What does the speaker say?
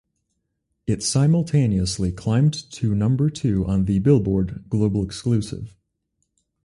It simultaneously climbed to number two on the "Billboard" Global Excl.